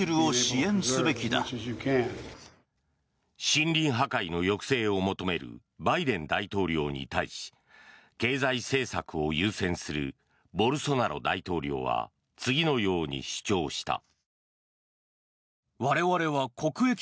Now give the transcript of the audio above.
森林破壊の抑制を求めるバイデン大統領に対し経済政策を優先するボルソナロ大統領は次のように主張した。